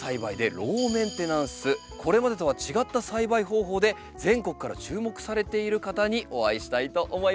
これまでとは違った栽培方法で全国から注目されている方にお会いしたいと思います。